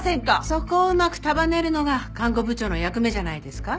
そこをうまく束ねるのが看護部長の役目じゃないですか？